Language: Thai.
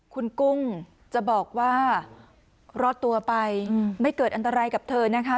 คุณกุ้งจะบอกว่ารอดตัวไปไม่เกิดอันตรายกับเธอนะคะ